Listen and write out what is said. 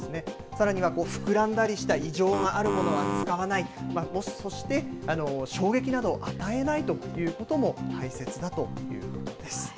さらには、膨らんだりした異常があるものは使わない、そして、衝撃などを与えないということも大切だということです。